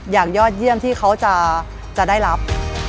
ยอดเยี่ยมที่เขาจะได้รับ